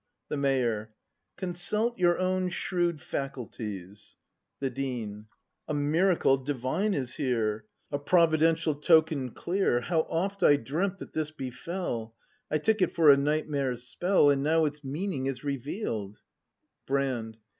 The Mayor. Consult your own shrewd faculties! The Dean. A Miracle Divine is here! A Providential Token clear! How oft I dreamt that this befell! I took it for a nightmare's spell; And now its meaning is revealed Brand.